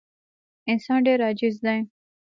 انسان ډېر عاجز دی.